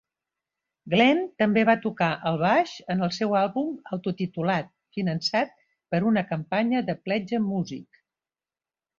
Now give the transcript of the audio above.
Glen també va tocar el baix en el seu àlbum autotitulat, finançat per una campanya de Pledge Music.